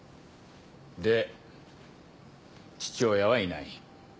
で父親はいない。